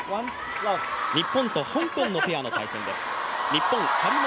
日本と香港のペアの対戦です。